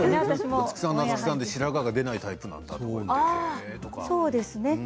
夏木さんは夏木さんで白髪が出ないタイプだと。